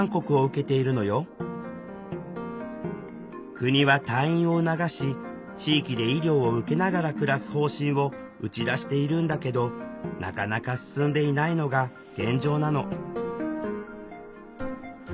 国は退院を促し地域で医療を受けながら暮らす方針を打ち出しているんだけどなかなか進んでいないのが現状なの。